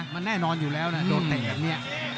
มันแน่นอนอยู่แล้วนะโดนเตะแบบนี้